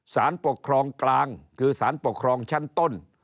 สารปกครองกลางคือสารปกครองชั้นต้น